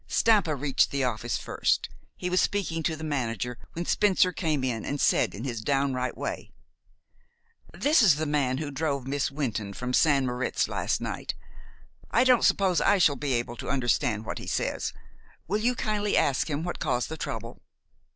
Stampa reached the office first. He was speaking to the manager, when Spencer came in and said in his downright way: "This is the man who drove Miss Wynton from St. Moritz last night. I don't suppose I shall be able to understand what he says. Will you kindly ask him what caused the trouble?"